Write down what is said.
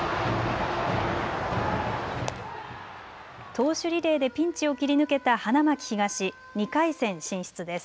投手リレーでピンチを切り抜けた花巻東、２回戦進出です。